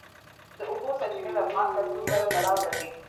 د اوبو سرچینې د افغان کلتور سره تړاو لري.